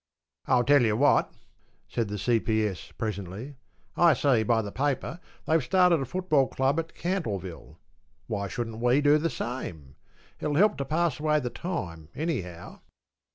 ‘I tell you what,’ said the C.P.S. presently; ‘I see by the paper they've started a football club at Cantleville. Why shouldn't we do the same? It'll help to pass away the time, anyhow.